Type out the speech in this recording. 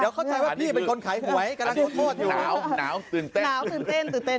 เดี๋ยวเข้าใจว่าพี่เป็นคนขายหวยกำลังโทษโทษอยู่น้าวน้าวตื่นเต้น